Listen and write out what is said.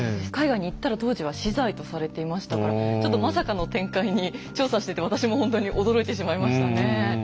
海外に行ったら当時は死罪とされていましたからちょっとまさかの展開に調査していて私もほんとに驚いてしまいましたね。